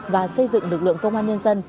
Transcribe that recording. và xây dựng lực lượng công an nhân dân